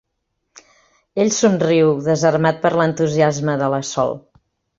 Ell somriu, desarmat per l'entusiasme de la Sol.